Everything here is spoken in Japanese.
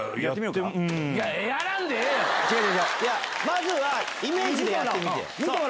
まずはイメージでやってみてよ。